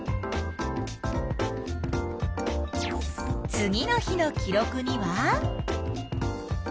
次の日の記録には？